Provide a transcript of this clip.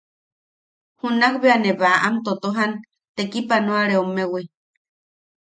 Junak bea ne baʼam totojan tekipanoareommewi.